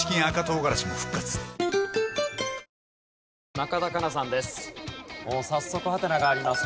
中田花奈さんです。